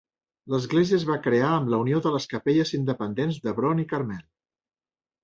L'església es va crear amb la unió de les capelles independents d'Hebron i Carmel.